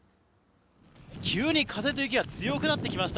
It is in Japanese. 急に風と雪が強くなってきました。